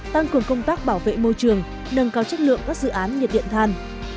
tăng cường công tác bảo vệ môi trường nâng cao chất lượng các dự án nhiệt điện than